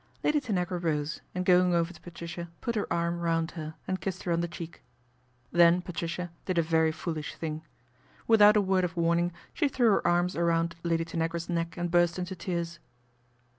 " Lady Tanagra rose and going over to Patricia put her arm round her and kissed her on the cheek, then Patricia did a very foolish thing. Without a word of warning she threw her arms around Lady Tanagra's neck and burst into tears.